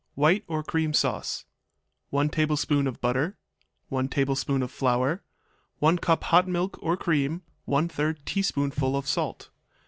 White or Cream Sauce 1 tablespoonful of butter. 1 tablespoonful of flour. 1 cup hot milk or cream, one third teaspoonful of salt.